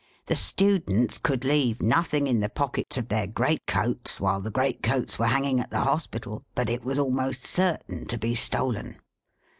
The students could leave nothing in the pockets of their great coats, while the great coats were hanging at the Hospital, but it was almost certain to be stolen.